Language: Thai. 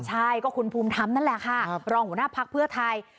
ใช่คุณภูมิทำนั่นแหละค่ารองหัวหน้าพรรคเพื่อไทย